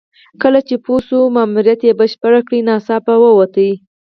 کله چې پوه شو ماموریت یې بشپړ کړی ناڅاپه ووت.